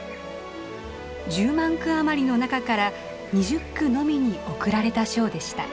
１０万句余りの中から２０句のみに贈られた賞でした。